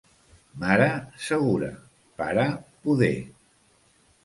Mare, segura; pare, poder.